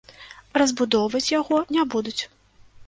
Разбудоўваць яго не будуць.